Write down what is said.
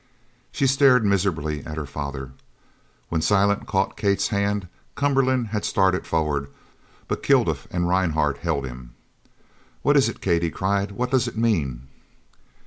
She stared miserably at her father. When Silent caught Kate's hand Cumberland had started forward, but Kilduff and Rhinehart held him. "What is it, Kate," he cried. "What does it mean?"